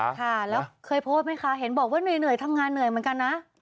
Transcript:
ค่ะแล้วเคยโพสต์ไหมคะเห็นบอกว่าเหนื่อยทำงานเหนื่อยเหมือนกันนะ